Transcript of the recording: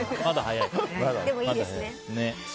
でもいいですね。